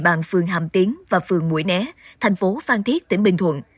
từ địa bàn phường ham tiến và phường mũi né thành phố phan thiết tỉnh bình thuận